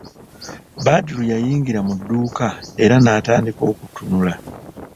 Badru yayingira mu dduuka era n'atandika okutunula.